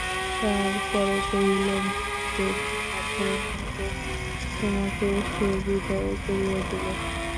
তার পরে কহিল, মহেন্দ্রের ভাগ্য মন্দ, তোমাকে সে বিদায় করিয়া দিল।